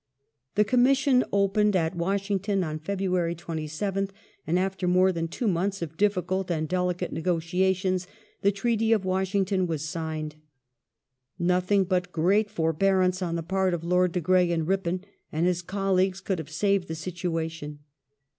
The Commis sion opened at Washington on February 27th, and after more than two months of difficult and delicate negotiation the Treaty of Wash ington was signed. Nothing but great forbearance on the part of Lord de Grey and Ripon and his colleagues could have saved the situation.